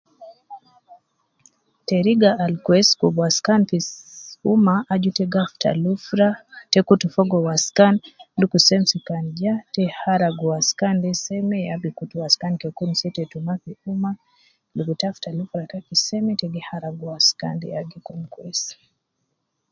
Teriga al kwesi fi kubu waskan fu umma, aju ita gi afuta lufura, ita kutu fogo waskan de, dukur semisi kan ja, ita haragu waskan de semeya gikutu waskandesetetu ma fu umma logo ita afuta lufurataki seme, ita bihatagu easkan de yagi kun kwesi.